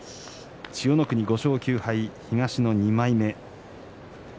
千代の国、５勝９敗、東の２枚目。